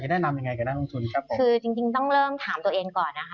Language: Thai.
จริงอย่างต้องเริ่มถามตัวเองก่อนนะคะ